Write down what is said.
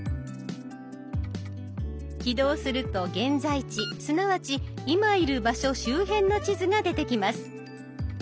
起動すると現在地すなわち「いまいる場所」周辺の地図が出てきます。